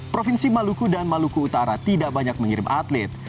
provinsi maluku dan maluku utara tidak banyak mengirim atlet